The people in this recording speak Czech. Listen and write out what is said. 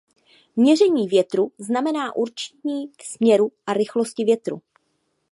Měření větru znamená určení směru a rychlosti větru.